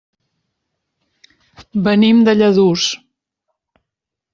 Venim de Lladurs.